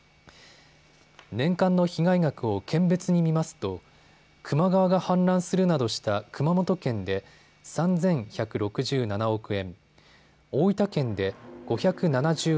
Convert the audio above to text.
年間の被害額を県別に見ますと球磨川が氾濫するなどした熊本県で３１６７億円。